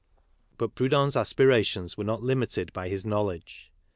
But Proudhon's aspirations were not limited by his knowledge.